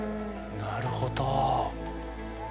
なるほど。